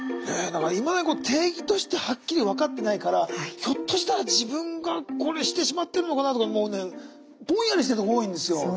なんかいまだに定義としてはっきり分かってないからひょっとしたら自分がこれしてしまってるのかなとかもうねぼんやりしてるとこ多いんですよ。